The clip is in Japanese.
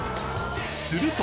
すると！